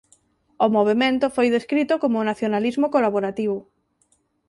O movemento foi descrito como "nacionalismo colaborativo".